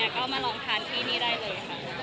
ก็มาลองทานที่นี่ได้เลยค่ะ